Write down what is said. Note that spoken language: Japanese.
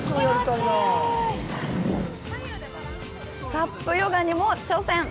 ＳＵＰヨガにも挑戦。